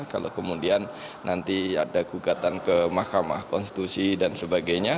kalau kemudian nanti ada gugatan ke mahkamah konstitusi dan sebagainya